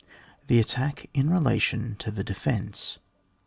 THE ATTACK IN RELATION TO THE DEFENCE.